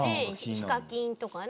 ＨＩＫＡＫＩＮとかね。